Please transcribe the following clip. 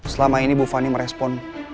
selama ini bu fani merespon